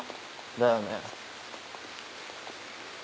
だよね。